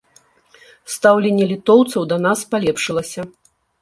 Стаўленне літоўцаў да нас палепшылася.